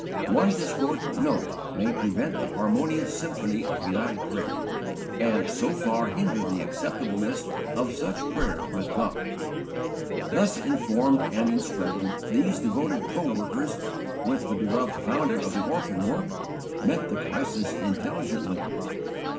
One discordant note may prevent the harmonious symphony of united prayer, and so far hinder the acceptableness of such prayer with God. Thus informed and instructed, these devoted coworkers, with the beloved founder of the orphan work, met the crisis intelligently.